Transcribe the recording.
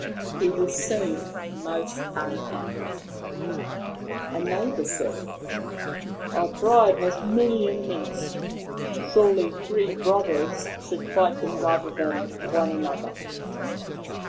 He was soon most unhappy. A neighbour said :" Our tribe has many enemies. Surely three brothers should fight them rather than one another.'